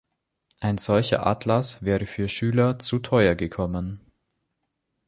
Ein solcher Atlas wäre für Schüler zu teuer gekommen.